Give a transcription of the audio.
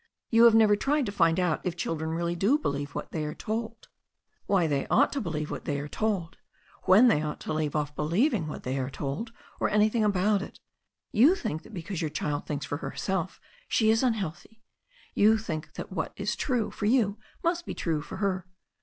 You have never tried to find out if children really do believe what they are told, why they ought to believe what they are THE STORY OF A NEW ZEALAND RIVER 155 told, when they ought to leave off believing what they are told, or anything about it You think that because your child thinks for herself she is unhealthy. You think that what is true for you must be true for her.